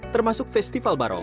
termasuk festival barong